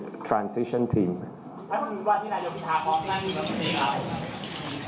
ทำักจะส่วนดีว่าอย่างว่าที่หลายยกฏาพร้อมและที่หลานขึ้น